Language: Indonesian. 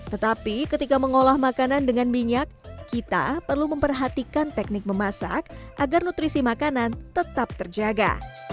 tetapi ketika mengolah makanan dengan minyak kita perlu memperhatikan teknik memasak agar nutrisi makanan tetap terjaga